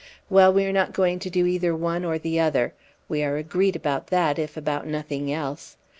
Well, we are not going to do either one or the other; we are agreed about that, if about nothing else.